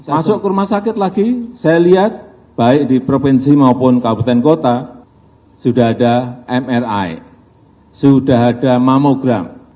masuk ke rumah sakit lagi saya lihat baik di provinsi maupun kabupaten kota sudah ada mri sudah ada mamogram